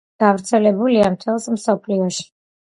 გავრცელებულია მთელს მსოფლიოში.